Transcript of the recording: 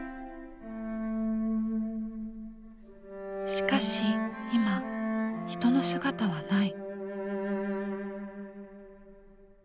しかし今人の姿はない。